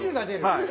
はい。